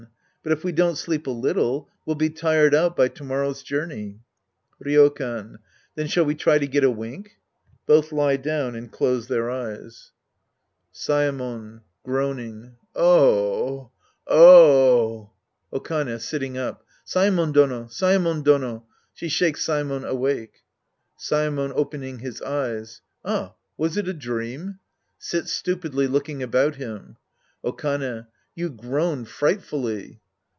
But if we don't sleep a little, we'll be tired out by to morrow's journey. Ryokan. Then shall we try to get a wink ? {Both lie down and dose their eyes.) 36 The Priest and His Disciples Act I Saemon {groaning). O o h, oo h. Okane {sitting up). Saemon Dono ! Saemon Done ! {She shakes Saemon awake ^ Saemon {opening his eyes). Ah, was it a dream ? {Sits stupidly looking about him.) Okane. You groaned frightfully.